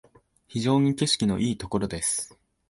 非常に景色のいいところです